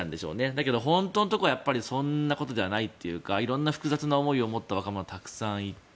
だけど本当のところはそんなことではないというか色んな複雑な思いを持った若者がたくさんいて。